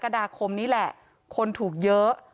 ความปลอดภัยของนายอภิรักษ์และครอบครัวด้วยซ้ำ